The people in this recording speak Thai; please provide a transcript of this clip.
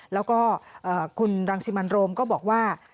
แล้วก็คุณรังสิมันโรมก็บอกว่า